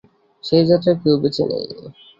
সেই যাত্রায় কেউ বেঁচে নেই।